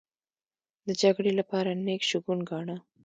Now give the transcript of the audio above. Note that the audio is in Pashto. د جګړې لپاره نېک شګون گاڼه.